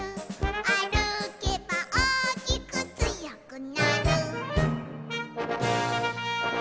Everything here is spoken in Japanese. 「あるけばおおきくつよくなる」